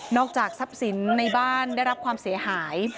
จากทรัพย์สินในบ้านได้รับความเสียหาย